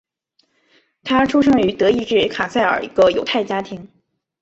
他出生于德意志卡塞尔一个犹太家庭。